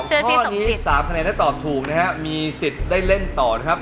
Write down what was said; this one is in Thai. ข้อนี้๓คะแนนถ้าตอบถูกนะฮะมีสิทธิ์ได้เล่นต่อนะครับ